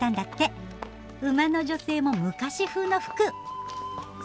馬の女性も昔風の服！